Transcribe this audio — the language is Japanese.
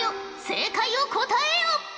正解を答えよ。